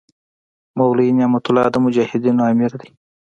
مولوي نعمت الله د مجاهدینو امیر دی.